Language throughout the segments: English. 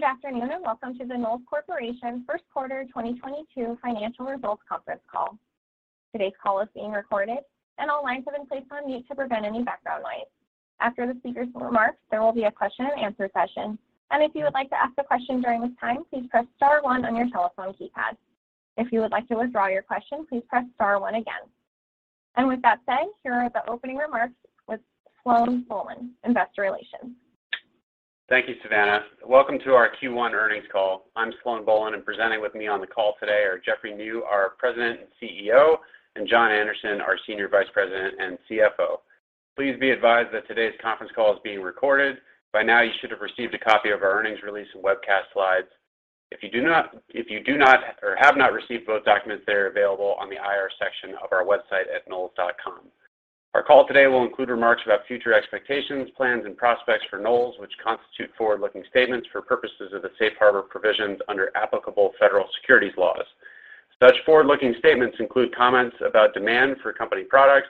Good afternoon, and welcome to the Knowles Corporation first quarter 2022 financial results conference call. Today's call is being recorded, and all lines have been placed on mute to prevent any background noise. After the speakers' remarks, there will be a question-and-answer session, and if you would like to ask a question during this time, please press star one on your telephone keypad. If you would like to withdraw your question, please press star one again. With that said, here are the opening remarks with Sloane Bolun, Investor Relations. Thank you, Savannah. Welcome to our Q1 earnings call. I'm Sloane Bolun, and presenting with me on the call today are Jeffrey Niew, our President and CEO, and John Anderson, our Senior Vice President and CFO. Please be advised that today's conference call is being recorded. By now, you should have received a copy of our earnings release and webcast slides. If you do not or have not received both documents, they are available on the IR section of our website at knowles.com. Our call today will include remarks about future expectations, plans, and prospects for Knowles, which constitute forward-looking statements for purposes of the safe harbor provisions under applicable federal securities laws. Such forward-looking statements include comments about demand for company products,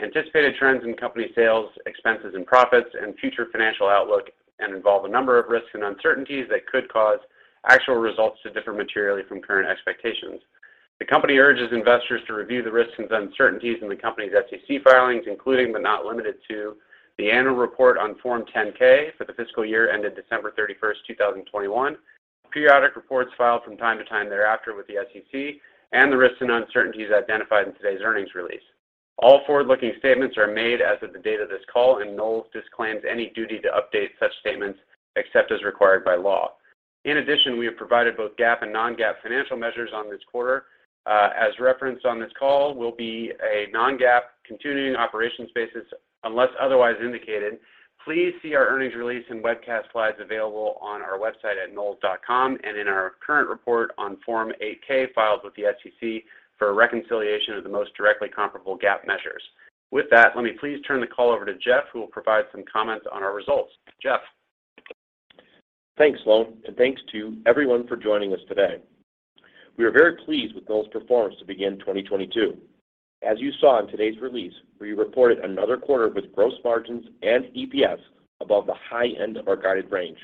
anticipated trends in company sales, expenses and profits, and future financial outlook, and involve a number of risks and uncertainties that could cause actual results to differ materially from current expectations. The company urges investors to review the risks and uncertainties in the company's SEC filings, including but not limited to the annual report on Form 10-K for the fiscal year ended December 31st, 2021, periodic reports filed from time to time thereafter with the SEC, and the risks and uncertainties identified in today's earnings release. All forward-looking statements are made as of the date of this call, and Knowles disclaims any duty to update such statements except as required by law. In addition, we have provided both GAAP and non-GAAP financial measures on this quarter. All references on this call will be on a non-GAAP continuing operations basis, unless otherwise indicated. Please see our earnings release and webcast slides available on our website at knowles.com and in our current report on Form 8-K filed with the SEC for a reconciliation of the most directly comparable GAAP measures. With that, let me please turn the call over to Jeff, who will provide some comments on our results. Jeff. Thanks, Sloane, and thanks to everyone for joining us today. We are very pleased with Knowles' performance to begin 2022. As you saw in today's release, we reported another quarter with gross margins and EPS above the high end of our guided range.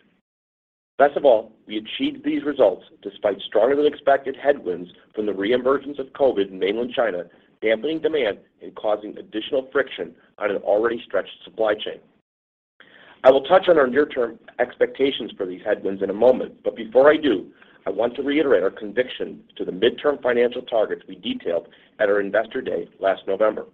Best of all, we achieved these results despite stronger-than-expected headwinds from the reemergence of COVID in mainland China, dampening demand and causing additional friction on an already stretched supply chain. I will touch on our near-term expectations for these headwinds in a moment, but before I do, I want to reiterate our conviction to the midterm financial targets we detailed at our Investor Day last November.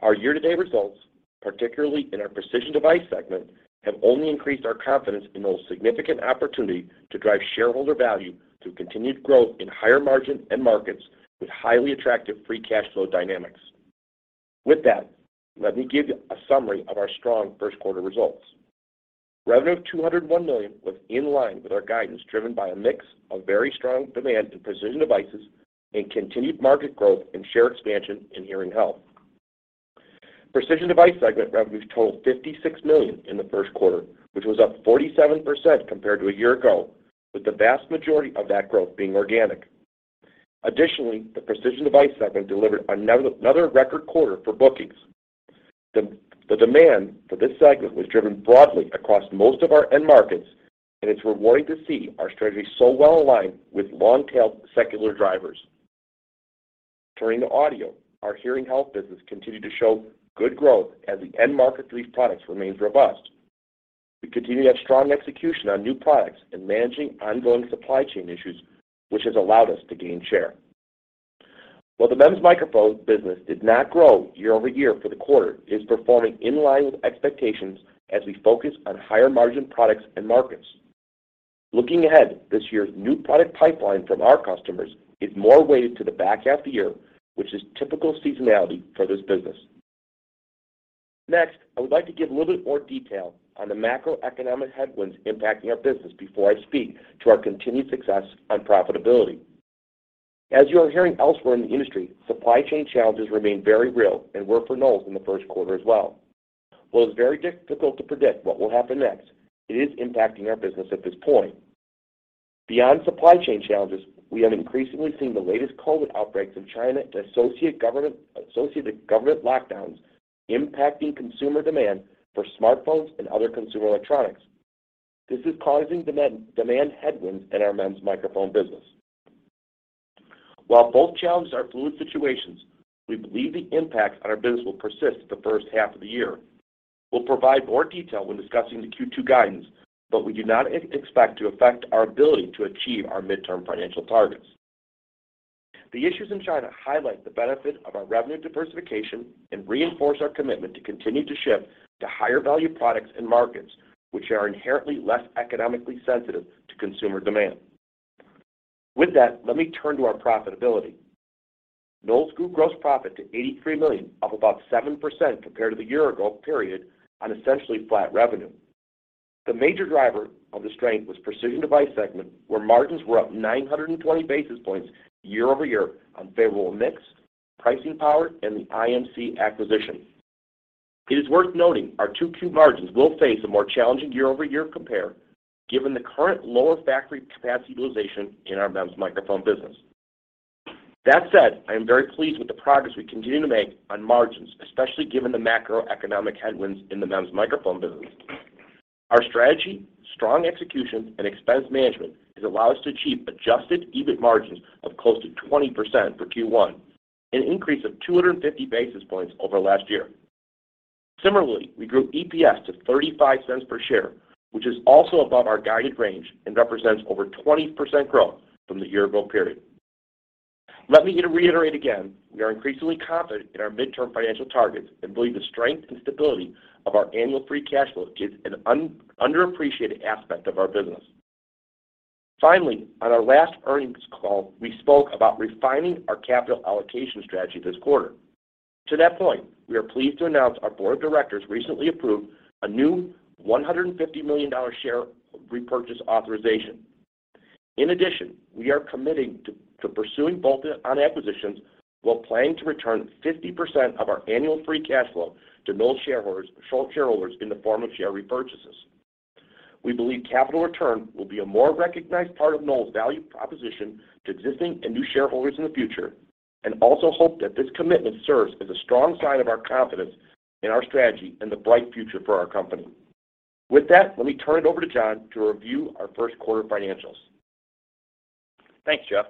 Our year-to-date results, particularly in our Precision Devices segment, have only increased our confidence in those significant opportunity to drive shareholder value through continued growth in higher margin end markets with highly attractive free cash flow dynamics. With that, let me give you a summary of our strong first quarter results. Revenue of $201 million was in line with our guidance, driven by a mix of very strong demand in Precision Devices and continued market growth and share expansion in Hearing Health. Precision Devices segment revenues totaled $56 million in the first quarter, which was up 47% compared to a year ago, with the vast majority of that growth being organic. Additionally, the Precision Devices segment delivered another record quarter for bookings. The demand for this segment was driven broadly across most of our end markets, and it's rewarding to see our strategy so well aligned with long-tailed secular drivers. Turning to Audio, our Hearing Health business continued to show good growth as the end market for these products remains robust. We continue to have strong execution on new products and managing ongoing supply chain issues, which has allowed us to gain share. While the MEMS microphone business did not grow year over year for the quarter, it is performing in line with expectations as we focus on higher margin products and markets. Looking ahead, this year's new product pipeline from our customers is more weighted to the back half of the year, which is typical seasonality for this business. Next, I would like to give a little bit more detail on the macroeconomic headwinds impacting our business before I speak to our continued success on profitability. As you are hearing elsewhere in the industry, supply chain challenges remain very real and were for Knowles in the first quarter as well. While it's very difficult to predict what will happen next, it is impacting our business at this point. Beyond supply chain challenges, we have increasingly seen the latest COVID outbreaks in China and associated government lockdowns impacting consumer demand for smartphones and other consumer electronics. This is causing demand headwinds in our MEMS microphone business. While both challenges are fluid situations, we believe the impact on our business will persist the first half of the year. We'll provide more detail when discussing the Q2 guidance, but we do not expect to affect our ability to achieve our midterm financial targets. The issues in China highlight the benefit of our revenue diversification and reinforce our commitment to continue to shift to higher value products and markets, which are inherently less economically sensitive to consumer demand. With that, let me turn to our profitability. Knowles grew gross profit to $83 million, up about 7% compared to the year ago period on essentially flat revenue. The major driver of the strength was Precision Devices segment, where margins were up 920 basis points year-over-year on favorable mix, pricing power, and the IMC acquisition. It is worth noting our 2Q margins will face a more challenging year-over-year compare given the current lower factory capacity utilization in our MEMS microphone business. That said, I am very pleased with the progress we continue to make on margins, especially given the macroeconomic headwinds in the MEMS microphone business. Our strategy, strong execution, and expense management has allowed us to achieve adjusted EBIT margins of close to 20% for Q1, an increase of 250 basis points over last year. Similarly, we grew EPS to $0.35 per share, which is also above our guided range and represents over 20% growth from the year-ago period. Let me reiterate again, we are increasingly confident in our mid-term financial targets and believe the strength and stability of our annual free cash flow is an underappreciated aspect of our business. Finally, on our last earnings call, we spoke about refining our capital allocation strategy this quarter. To that point, we are pleased to announce our board of directors recently approved a new $150 million share repurchase authorization. In addition, we are committing to pursuing bolt-on acquisitions while planning to return 50% of our annual free cash flow to Knowles shareholders in the form of share repurchases. We believe capital return will be a more recognized part of Knowles' value proposition to existing and new shareholders in the future, and also hope that this commitment serves as a strong sign of our confidence in our strategy and the bright future for our company. With that, let me turn it over to John to review our first quarter financials. Thanks, Jeff.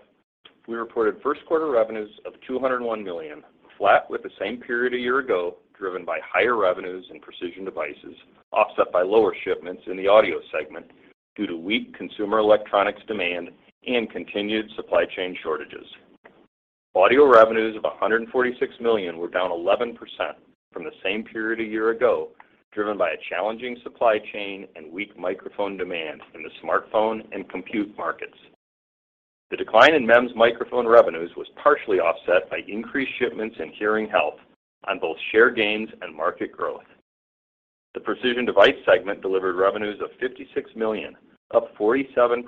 We reported first quarter revenues of $201 million, flat with the same period a year ago, driven by higher revenues in Precision Devices, offset by lower shipments in the Audio segment due to weak consumer electronics demand and continued supply chain shortages. Audio revenues of $146 million were down 11% from the same period a year ago, driven by a challenging supply chain and weak microphone demand in the smartphone and compute markets. The decline in MEMS microphone revenues was partially offset by increased shipments in Hearing Health on both share gains and market growth. The Precision Devices segment delivered revenues of $56 million, up 47%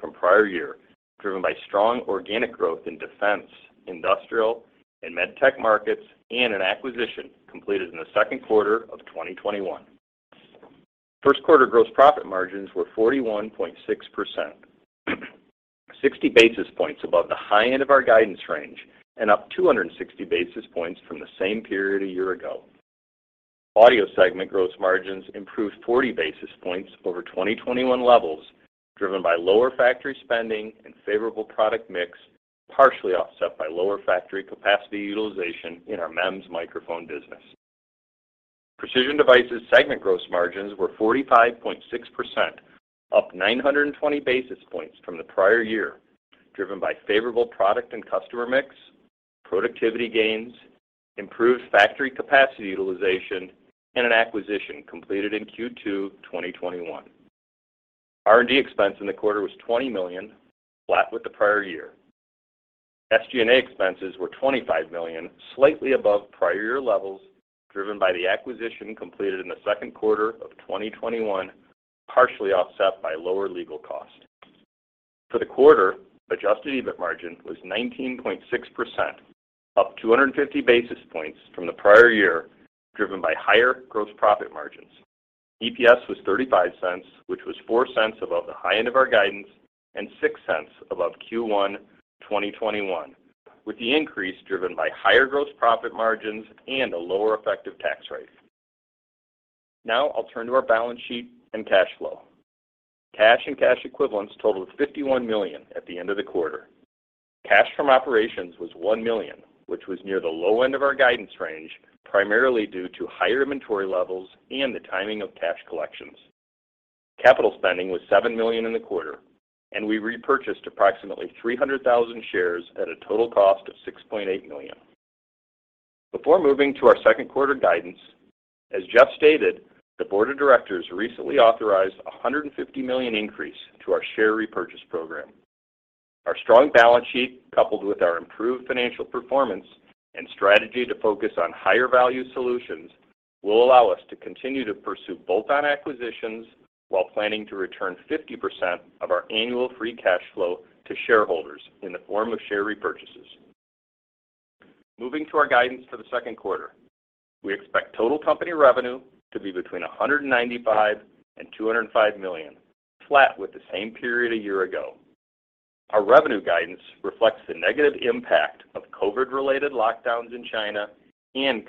from prior year, driven by strong organic growth in defense, industrial, and MedTech markets, and an acquisition completed in the second quarter of 2021. First quarter gross profit margins were 41.6%, 60 basis points above the high end of our guidance range and up 260 basis points from the same period a year ago. Audio segment gross margins improved 40 basis points over 2021 levels, driven by lower factory spending and favorable product mix, partially offset by lower factory capacity utilization in our MEMS microphone business. Precision Devices segment gross margins were 45.6%, up 920 basis points from the prior year, driven by favorable product and customer mix, productivity gains, improved factory capacity utilization, and an acquisition completed in Q2 2021. R&D expense in the quarter was $20 million, flat with the prior year. SG&A expenses were $25 million, slightly above prior year levels, driven by the acquisition completed in the second quarter of 2021, partially offset by lower legal cost. For the quarter, adjusted EBIT margin was 19.6%, up 250 basis points from the prior year, driven by higher gross profit margins. EPS was $0.35, which was $0.04 above the high end of our guidance and $0.06 above Q1 2021, with the increase driven by higher gross profit margins and a lower effective tax rate. Now I'll turn to our balance sheet and cash flow. Cash and cash equivalents totaled $51 million at the end of the quarter. Cash from operations was $1 million, which was near the low end of our guidance range, primarily due to higher inventory levels and the timing of cash collections. Capital spending was $7 million in the quarter, and we repurchased approximately 300,000 shares at a total cost of $6.8 million. Before moving to our second quarter guidance, as Jeff stated, the board of directors recently authorized a $150 million increase to our share repurchase program. Our strong balance sheet, coupled with our improved financial performance and strategy to focus on higher value solutions, will allow us to continue to pursue bolt-on acquisitions while planning to return 50% of our annual free cash flow to shareholders in the form of share repurchases. Moving to our guidance for the second quarter. We expect total company revenue to be between $195 million and $205 million, flat with the same period a year ago. Our revenue guidance reflects the negative impact of COVID-related lockdowns in China and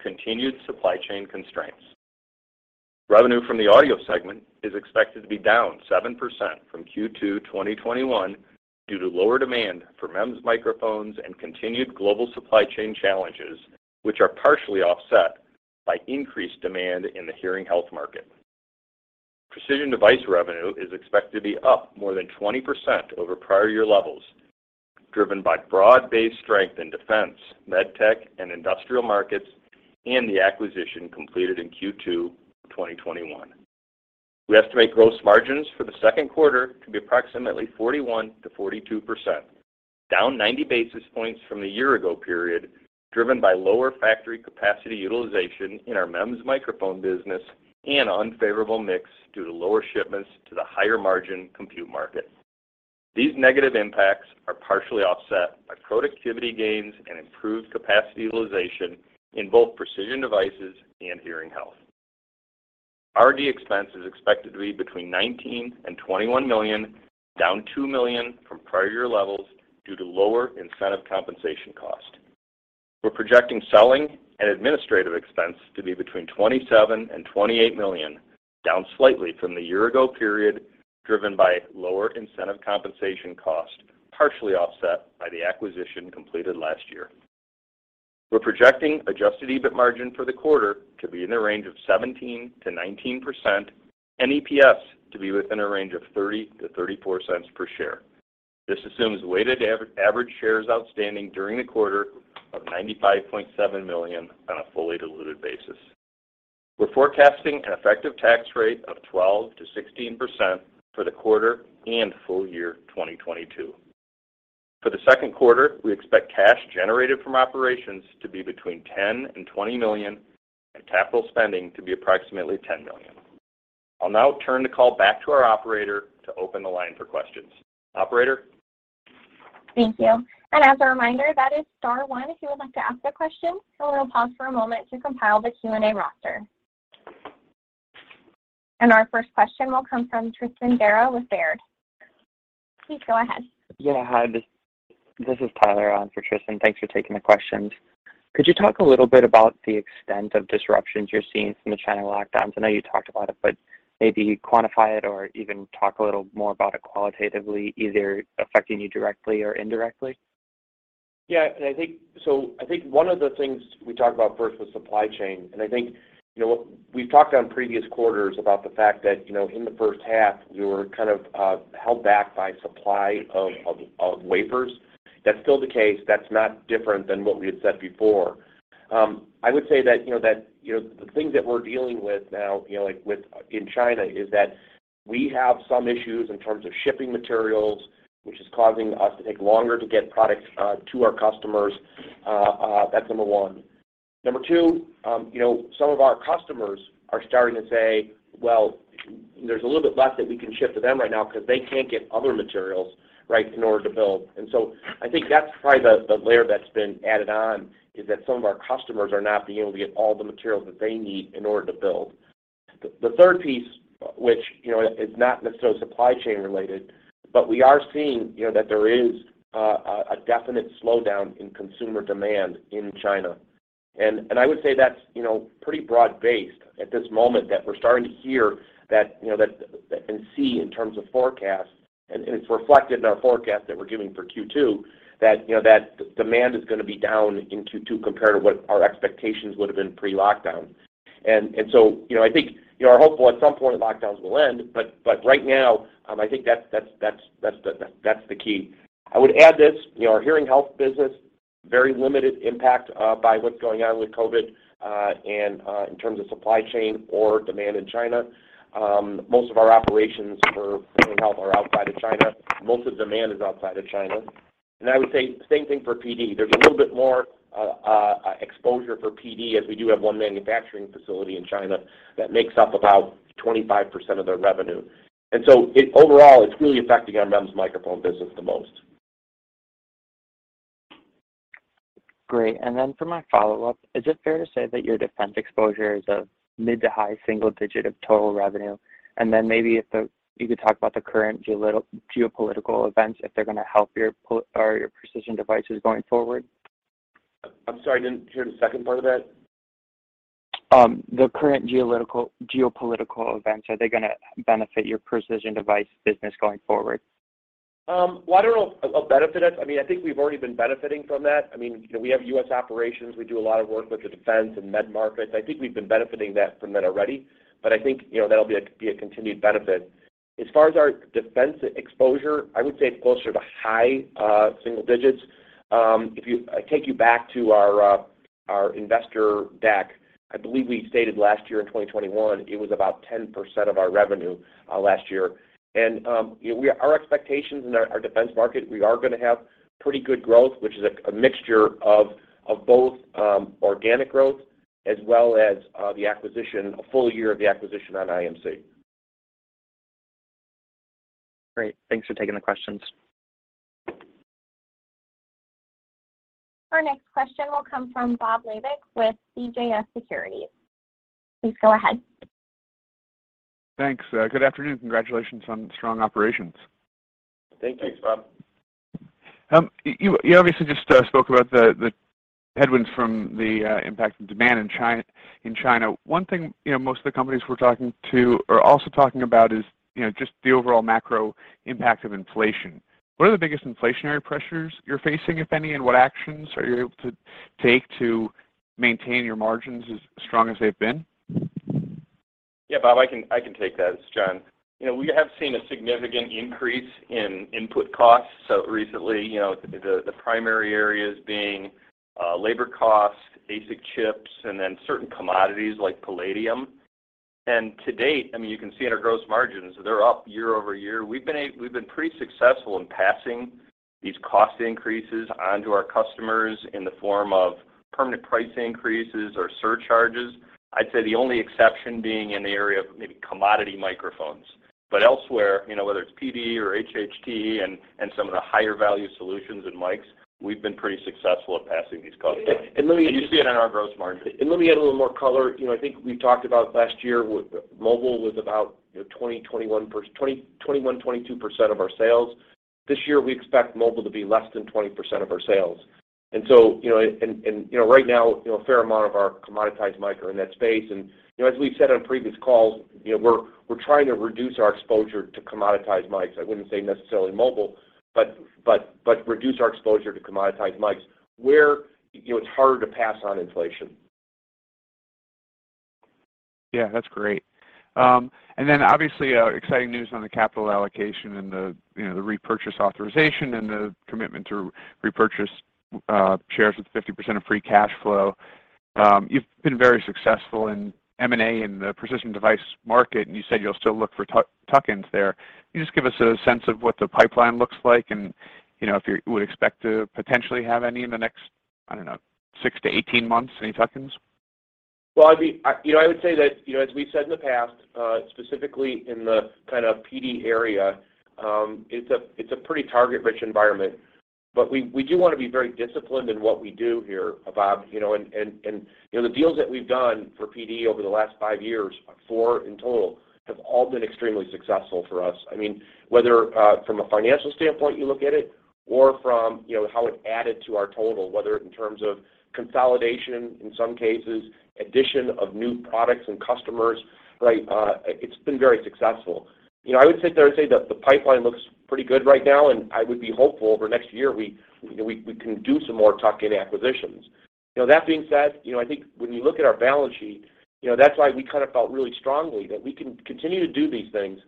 continued supply chain constraints. Revenue from the Audio segment is expected to be down 7% from Q2 2021 due to lower demand for MEMS microphones and continued global supply chain challenges, which are partially offset by increased demand in the Hearing Health market. Precision Devices revenue is expected to be up more than 20% over prior year levels, driven by broad-based strength in defense, MedTech, and industrial markets, and the acquisition completed in Q2 2021. We estimate gross margins for the second quarter to be approximately 41%-42%, down 90 basis points from the year ago period, driven by lower factory capacity utilization in our MEMS microphone business and unfavorable mix due to lower shipments to the higher margin compute market. These negative impacts are partially offset by productivity gains and improved capacity utilization in both Precision Devices and Hearing Health. R&D expense is expected to be between $19 and $21 million, down $2 million from prior year levels due to lower incentive compensation cost. We're projecting selling and administrative expense to be between $27 and $28 million, down slightly from the year ago period, driven by lower incentive compensation cost, partially offset by the acquisition completed last year. We're projecting adjusted EBIT margin for the quarter to be in the range of 17%-19% and EPS to be within a range of $0.30-$0.34 per share. This assumes weighted average shares outstanding during the quarter of 95.7 million on a fully diluted basis. We're forecasting an effective tax rate of 12%-16% for the quarter and full year 2022. For the second quarter, we expect cash generated from operations to be between $10 million and $20 million, and capital spending to be approximately $10 million. I'll now turn the call back to our operator to open the line for questions. Operator. Thank you. As a reminder, that is star one if you would like to ask a question. We'll pause for a moment to compile the Q&A roster. Our first question will come from Tristan Gerra with Baird. Please go ahead. Yeah, hi, this is Tyler on for Tristan. Thanks for taking the questions. Could you talk a little bit about the extent of disruptions you're seeing from the China lockdowns? I know you talked about it, but maybe quantify it or even talk a little more about it qualitatively, either affecting you directly or indirectly. Yeah. I think one of the things we talked about first was supply chain. I think, you know, we've talked on previous quarters about the fact that, you know, in the first half, we were kind of held back by supply of wafers. That's still the case. That's not different than what we had said before. I would say that, you know, the thing that we're dealing with now, you know, like within China is that we have some issues in terms of shipping materials, which is causing us to take longer to get products to our customers, that's number one. Number two, you know, some of our customers are starting to say, well, there's a little bit less that we can ship to them right now 'cause they can't get other materials, right, in order to build. I think that's probably the layer that's been added on, is that some of our customers are not being able to get all the materials that they need in order to build. The third piece, which, you know, is not necessarily supply chain related, but we are seeing, you know, that there is a definite slowdown in consumer demand in China. I would say that's, you know, pretty broad-based at this moment that we're starting to hear that, you know, and see in terms of forecast, and it's reflected in our forecast that we're giving for Q2, that, you know, that demand is gonna be down in Q2 compared to what our expectations would have been pre-lockdown. You know, I think we are hopeful at some point the lockdowns will end, but right now, I think that's the key. I would add this, you know, our Hearing Health business, very limited impact, by what's going on with COVID, and, in terms of supply chain or demand in China. Most of our operations for Hearing Health are outside of China. Most of demand is outside of China. I would say same thing for PD. There's a little bit more exposure for PD as we do have one manufacturing facility in China that makes up about 25% of their revenue. Overall, it's really affecting our MEMS microphone business the most. Great. For my follow-up, is it fair to say that your defense exposure is a mid to high single digit of total revenue? Maybe if you could talk about the current geopolitical events, if they're gonna help your Precision Devices going forward. I'm sorry, I didn't hear the second part of that. The current geopolitical events, are they gonna benefit your Precision Devices business going forward? Well, I don't know if it'll benefit us. I mean, I think we've already been benefiting from that. I mean, we have U.S. operations. We do a lot of work with the defense and MedTech markets. I think we've been benefiting from that already. But I think, you know, that'll be a continued benefit. As far as our defense exposure, I would say it's closer to high single digits. If I take you back to our investor deck, I believe we stated last year in 2021, it was about 10% of our revenue last year. You know, our expectations in our defense market, we are gonna have pretty good growth, which is a mixture of both organic growth as well as the acquisition, a full year of the acquisition of IMC. Great. Thanks for taking the questions. Our next question will come from Bob Labick with CJS Securities. Please go ahead. Thanks. Good afternoon. Congratulations on strong operations. Thank you. Thanks, Bob. You obviously just spoke about the headwinds from the impact of demand in China. One thing, you know, most of the companies we're talking to are also talking about is, you know, just the overall macro impact of inflation. What are the biggest inflationary pressures you're facing, if any, and what actions are you able to take to maintain your margins as strong as they've been? Yeah, Bob, I can take that. It's John. You know, we have seen a significant increase in input costs. Recently, you know, the primary areas being labor costs, ASIC chips, and then certain commodities like palladium. To date, I mean, you can see in our gross margins, they're up year-over-year. We've been pretty successful in passing these cost increases onto our customers in the form of permanent price increases or surcharges. I'd say the only exception being in the area of maybe commodity microphones. Elsewhere, you know, whether it's PD or HHT and some of the higher value solutions in mics, we've been pretty successful at passing these cost increases. And, and let me- You see it in our gross margin. Let me add a little more color. You know, I think we talked about last year mobile was about, you know, 21%-22% of our sales. This year, we expect mobile to be less than 20% of our sales. You know, right now, you know, a fair amount of our commoditized mics are in that space. You know, as we've said on previous calls, you know, we're trying to reduce our exposure to commoditized mics where, you know, it's harder to pass on inflation. Yeah, that's great. Obviously, exciting news on the capital allocation and the, you know, the repurchase authorization and the commitment to repurchase shares with 50% of free cash flow. You've been very successful in M&A in the Precision Devices market, and you said you'll still look for tuck-ins there. Can you just give us a sense of what the pipeline looks like and, you know, if you would expect to potentially have any in the next, I don't know, six to 18 months, any tuck-ins? Well, I mean, you know, I would say that, you know, as we said in the past, specifically in the kind of PD area, it's a pretty target-rich environment. We do wanna be very disciplined in what we do here, Bob, you know, and you know, the deals that we've done for PD over the last five years, four in total, have all been extremely successful for us. I mean, whether from a financial standpoint you look at it, or from, you know, how it added to our total, whether in terms of consolidation, in some cases, addition of new products and customers, right. It's been very successful. You know, I would sit there and say that the pipeline looks pretty good right now, and I would be hopeful over the next year, you know, we can do some more tuck-in acquisitions. You know, that being said, you know, I think when you look at our balance sheet, you know, that's why we kind of felt really strongly that we can continue to do these things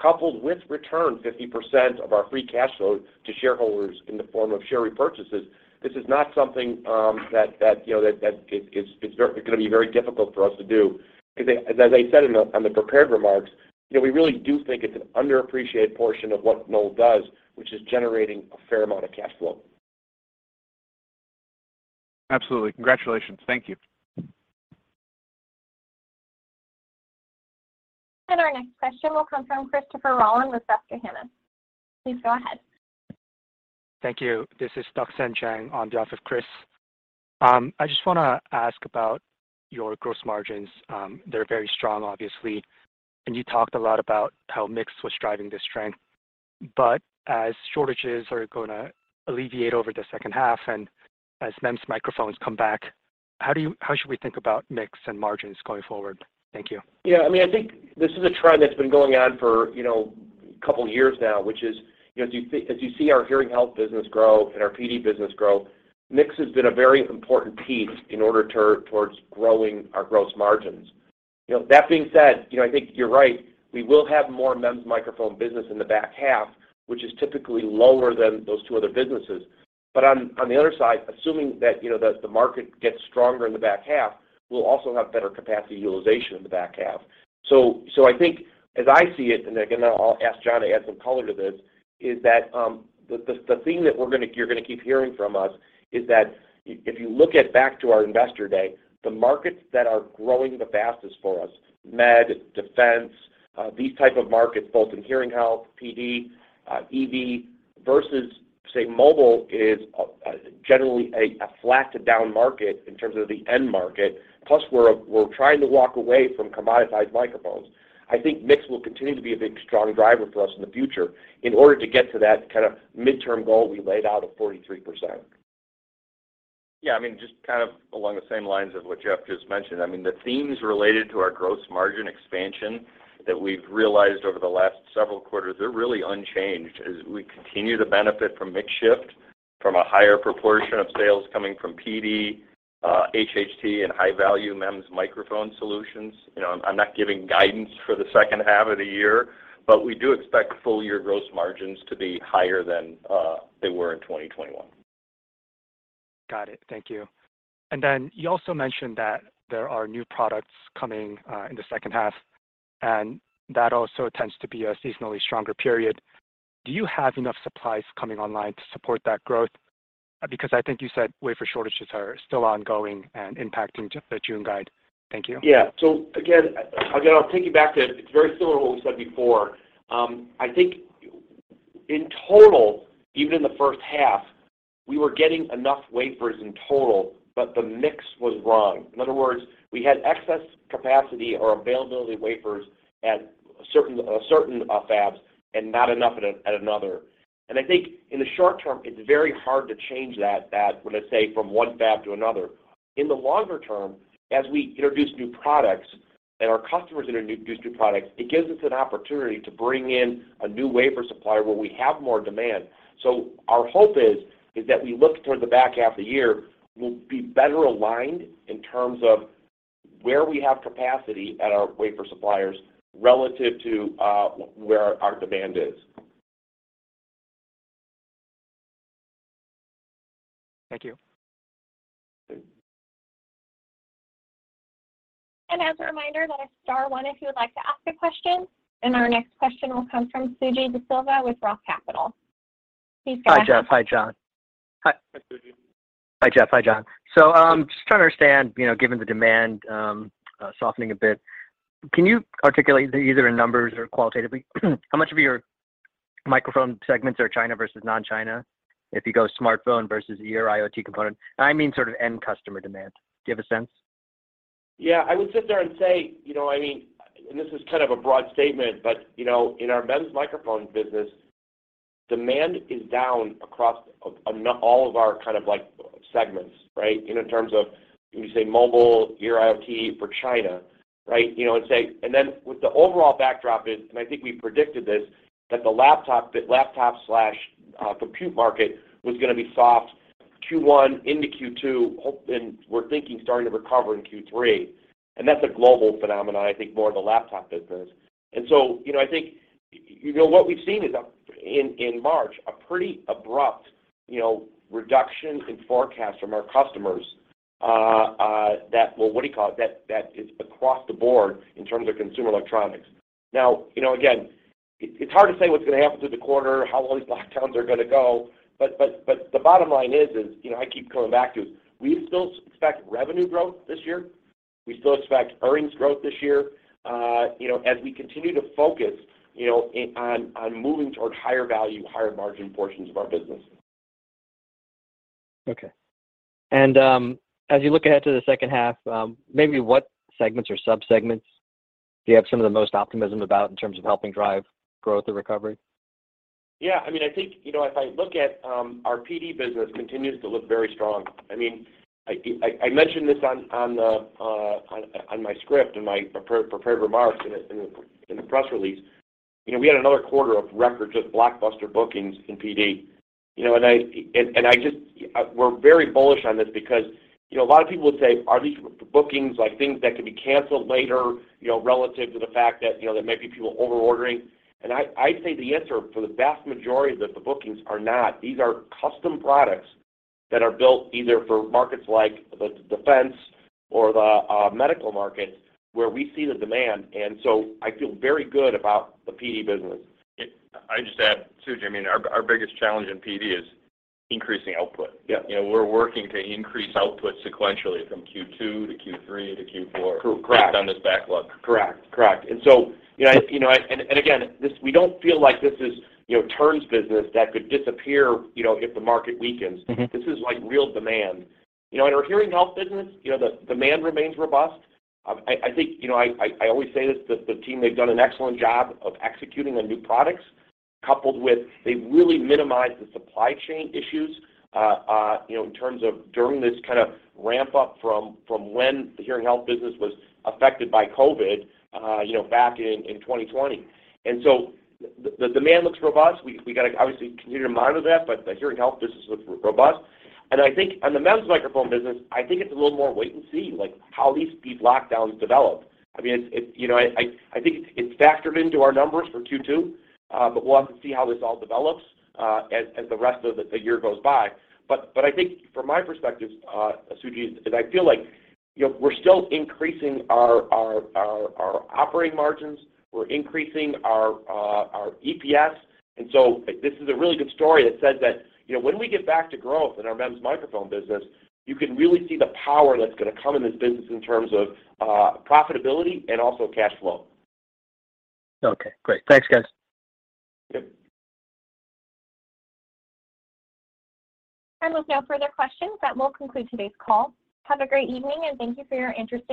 coupled with return 50% of our free cash flow to shareholders in the form of share repurchases. This is not something that, you know, that it's gonna be very difficult for us to do. Because as I said on the prepared remarks, you know, we really do think it's an underappreciated portion of what Knowles does, which is generating a fair amount of cash flow. Absolutely. Congratulations. Thank you. Our next question will come from Christopher Rolland with Susquehanna. Please go ahead. Thank you. This is Duksan Jang on behalf of Chris. I just wanna ask about your gross margins. They're very strong, obviously, and you talked a lot about how mix was driving this strength. As shortages are gonna alleviate over the second half and as MEMS microphones come back, how should we think about mix and margins going forward? Thank you. Yeah. I mean, I think this is a trend that's been going on for, you know, a couple years now, which is, you know, as you see our hearing health business grow and our PD business grow, mix has been a very important piece in order towards growing our gross margins. You know, that being said, you know, I think you're right. We will have more MEMS microphone business in the back half, which is typically lower than those two other businesses. But on the other side, assuming that, you know, the market gets stronger in the back half, we'll also have better capacity utilization in the back half. I think as I see it, and again, I'll ask John to add some color to this, is that you're gonna keep hearing from us is that if you look back to our Investor Day, the markets that are growing the fastest for us, MedTech, defense, these type of markets, both in Hearing Health, PD, EV, versus, say, mobile is generally a flat to down market in terms of the end market. Plus, we're trying to walk away from commoditized microphones. I think mix will continue to be a big strong driver for us in the future in order to get to that kind of midterm goal we laid out of 43%. Yeah. I mean, just kind of along the same lines of what Jeff just mentioned. I mean, the themes related to our gross margin expansion that we've realized over the last several quarters, they're really unchanged as we continue to benefit from mix shift, from a higher proportion of sales coming from PD, HHT, and high-value MEMS microphone solutions. You know, I'm not giving guidance for the second half of the year, but we do expect full year gross margins to be higher than they were in 2021. Got it. Thank you. You also mentioned that there are new products coming in the second half, and that also tends to be a seasonally stronger period. Do you have enough supplies coming online to support that growth? Because I think you said wafer shortages are still ongoing and impacting the June guide. Thank you. Yeah, again, I'll take you back to. It's very similar to what we said before. I think in total, even in the first half, we were getting enough wafers in total, but the mix was wrong. In other words, we had excess capacity or availability of wafers at certain fabs and not enough at another. I think in the short term, it's very hard to change that when I say from one fab to another. In the longer term, as we introduce new products and our customers introduce new products, it gives us an opportunity to bring in a new wafer supplier where we have more demand. Our hope is that we look toward the back half of the year, we'll be better aligned in terms of where we have capacity at our wafer suppliers relative to where our demand is. Thank you. Thank you. As a reminder, that is star one if you would like to ask a question. Our next question will come from Suji Desilva with Roth Capital. Hi, Jeff. Hi, John. Hi. Hi, Suji. Hi, Jeff. Hi, John. Just trying to understand, you know, given the demand softening a bit, can you articulate either in numbers or qualitatively how much of your microphone segments are China versus non-China if you go smartphone versus your IoT component? And I mean sort of end customer demand. Do you have a sense? Yeah. I would sit there and say, you know, I mean, this is kind of a broad statement, but, you know, in our MEMS microphone business, demand is down across all of our kind of like segments, right? You know, in terms of when you say mobile, our IoT for China, right? With the overall backdrop, I think we predicted this, that the laptop compute market was gonna be soft Q1 into Q2, and we're thinking starting to recover in Q3. That's a global phenomenon, I think more of the laptop business. You know, I think, you know, what we've seen is in March a pretty abrupt, you know, reduction in forecast from our customers, that. Well, what do you call it? That is across the board in terms of consumer electronics. Now, you know, again, it's hard to say what's gonna happen through the quarter, how all these lockdowns are gonna go, but the bottom line is, you know, I keep coming back to this. We still expect revenue growth this year. We still expect earnings growth this year, you know, as we continue to focus, you know, on moving towards higher value, higher margin portions of our business. Okay. As you look ahead to the second half, maybe what segments or sub-segments do you have some of the most optimism about in terms of helping drive growth or recovery? Yeah. I mean, I think, you know, if I look at our PD business continues to look very strong. I mean, I mentioned this on my script, in my prepared remarks in the press release. You know, we had another quarter of record just blockbuster bookings in PD. You know, and I just, we're very bullish on this because, you know, a lot of people would say, "Are these bookings like things that could be canceled later, you know, relative to the fact that, you know, there might be people over ordering?" And I'd say the answer for the vast majority of the bookings are not. These are custom products that are built either for markets like the defense or the medical market, where we see the demand. I feel very good about the PD business. I'd just add too, Suji, I mean, our biggest challenge in PD is increasing output. Yeah. You know, we're working to increase output sequentially from Q2 to Q3 to Q4. Correct. -based on this backlog. Correct. You know, again, this, we don't feel like this is, you know, turn's business that could disappear, you know, if the market weakens. Mm-hmm. This is like real demand. You know, in our Hearing Health business, you know, the demand remains robust. I think you know I always say this that the team, they've done an excellent job of executing on new products, coupled with they've really minimized the supply chain issues, you know, in terms of during this kind of ramp up from when the Hearing Health business was affected by COVID, you know, back in 2020. The demand looks robust. We gotta obviously continue to monitor that, but the Hearing Health business looks robust. I think on the MEMS microphone business, I think it's a little more wait and see, like how these speed lockdowns develop. I mean, it's you know, I think it's factored into our numbers for Q2, but we'll have to see how this all develops, as the rest of the year goes by. I think from my perspective, Suji, is I feel like, you know, we're still increasing our operating margins. We're increasing our EPS. This is a really good story that says that, you know, when we get back to growth in our MEMS microphone business, you can really see the power that's gonna come in this business in terms of profitability and also cash flow. Okay, great. Thanks, guys. Yep. There are no further questions. That will conclude today's call. Have a great evening, and thank you for your interest in Knowles.